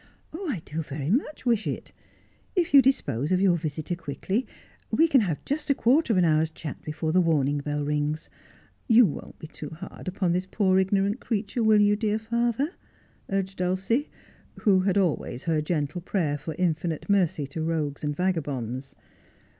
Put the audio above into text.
' I do very much wish it. If you dispose of your visitor quickly, we can have just a quarter of an hour's chat before the warning bell rings. You won't be too hard upon this poor ignorant creature, will you, dear father?' urged Dulcie, who had always her gentle prayer for infinite mercy to rogues and vagabonds.